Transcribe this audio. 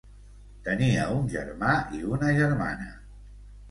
Tenia un germà i una germana.